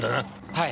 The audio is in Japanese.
はい。